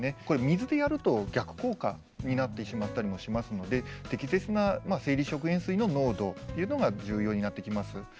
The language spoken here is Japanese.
これ水でやると逆効果になってしまったりもしますので適切な生理食塩水の濃度っていうのが重要になってきます。